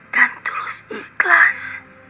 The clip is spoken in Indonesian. dan terus ikhlas